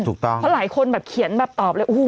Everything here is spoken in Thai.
เพราะหลายคนแบบเขียนแบบตอบเลย